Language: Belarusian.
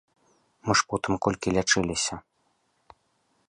Мы ж потым колькі лячыліся!